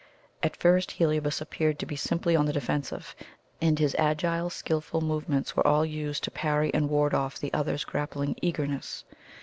At first Heliobas appeared to be simply on the defensive, and his agile, skilful movements were all used to parry and ward off the other's grappling eagerness.